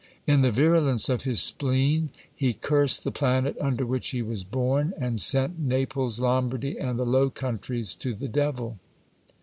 In the virulence of his spleen he cursed the planet under which he was born, and sent Naples, Lombardy, and the Low Countries to the devil.